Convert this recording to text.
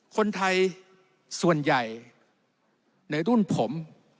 คนไทยส่วนใหญ่ในรุ่นผม